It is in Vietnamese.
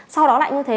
sau đó lại như thế